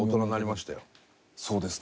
そうですね。